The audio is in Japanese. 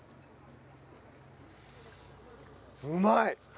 うまい！